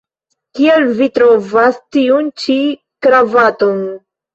Kiel vi trovas tiun ĉi kravaton?